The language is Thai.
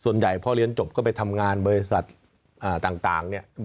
ส่วนใหญ่พอเรียนจบก็ไปทำงานบริษัทต่างเนี่ย